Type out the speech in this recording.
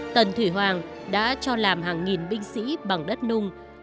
tần thủy hoàng đã cho làm hàng nghìn binh sĩ bằng đất nung